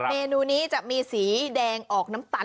เมนูนี้จะมีสีแดงออกน้ำตาล